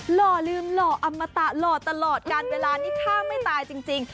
หล่อลืมหล่ออมตะหล่อตลอดการเวลานี้ฆ่าไม่ตายจริง